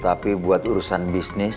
tapi buat urusan bisnis